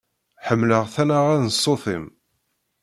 Ḥemmleɣ tanaɣa n ṣṣut-im.